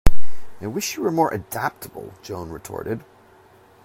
I wish you were more adaptable, Joan retorted.